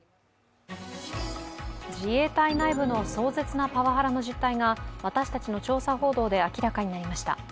自衛隊内部の壮絶なパワハラの実態が私たちの調査報道で明らかになりました。